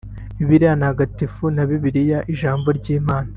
Bibiliya Ntagatifu na Bibiliya Ijambo ry’Imana